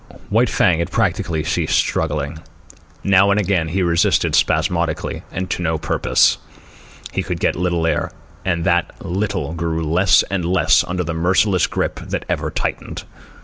White Fang had practically ceased struggling. Now and again he resisted spasmodically and to no purpose. He could get little air, and that little grew less and less under the merciless grip that ever tightened.